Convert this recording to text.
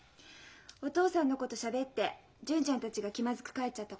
お父さんのことしゃべって純ちゃんたちが気まずく帰っちゃったこと？